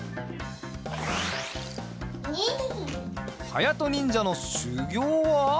はやとにんじゃのしゅぎょうは？